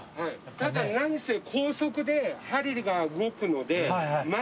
ただ何せ高速で針が動くので。